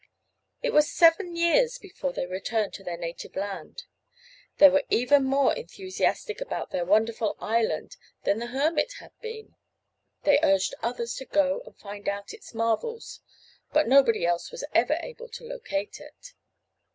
It was seven years before they returned to their native land. They were even more enthusiastic about their wonderful island than the hermit had been. They urged others to go and find out its marvels but nobody else was ever able to locate it.